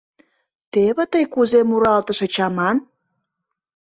Теве тый кузе муралтышыч аман?